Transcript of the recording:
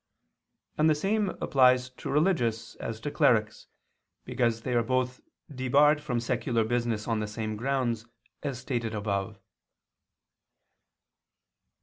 And the same applies to religious as to clerics, because they are both debarred from secular business on the same grounds, as stated above.